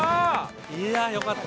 いやよかった。